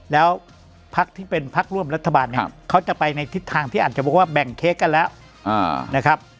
แล้วพักที่เป็นพักร่วมรัฐบาลเนี่ยเขาจะไปในทิศทางที่อาจจะบอกว่าแบ่งเค้กกันแล้วนะครับ